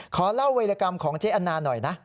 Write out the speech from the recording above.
ขอเล่าเวรกรรมของเจ๊อันนาหน่อยนะ